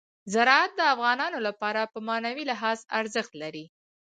زراعت د افغانانو لپاره په معنوي لحاظ ارزښت لري.